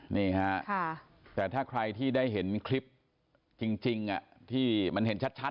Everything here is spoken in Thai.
นี่ฮะแต่ถ้าใครที่ได้เห็นคลิปจริงที่มันเห็นชัด